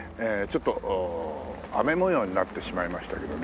ちょっと雨模様になってしまいましたけどね。